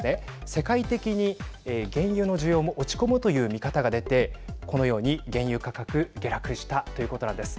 世界的に原油の需要も落ち込むという見方が出てこのように原油価格下落したということなんです。